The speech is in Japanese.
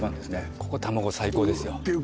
ここ玉子最高ですよ